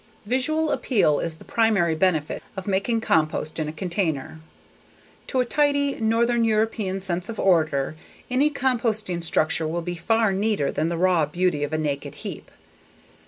Visual appeal is the primary benefit of making compost in a container. To a tidy, northern European sense of order, any composting structure will be far neater than the raw beauty of a naked heap.